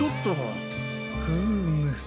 フーム。